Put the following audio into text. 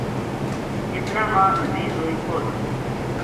اتنا ما نزیر ڈوئی پوہچ گیو